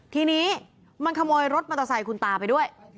ทีนี้มันขโมยรถมอเตอร์ไซค์คุณตาไปด้วย